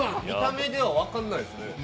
見た目では分かんないですね。